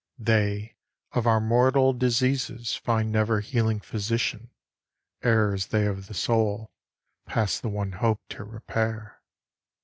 They of our mortal diseases find never healing physician; Errors they of the soul, past the one hope to repair.